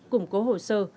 củng cố hồ sơ